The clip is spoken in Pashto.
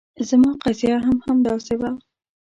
زما قضیه هم همداسې وه.